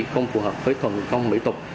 không phù hợp với thường phong biện tục